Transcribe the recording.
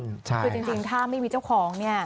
คือจริงถ้าไม่มีเจ้าของเนี่ย